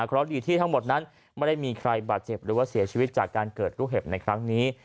เพราะดีที่ทั้งหมดนั้นไม่ได้มีใครบาดเจ็บหรือว่าเสียชีวิตจากการเกิดลูกเห็บในครั้งนี้